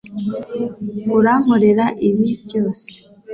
Urankorera ibi byose